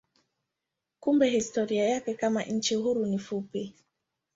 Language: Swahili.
Kumbe historia yake kama nchi huru ni fupi.